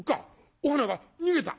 お花が逃げた」。